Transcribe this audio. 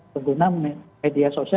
pengguna media sosial